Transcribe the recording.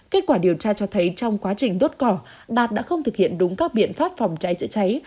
kết quả điều tra cho thấy trong quá trình đốt cỏ đạt đã không thực hiện đúng các biện pháp phòng cháy chữa cháy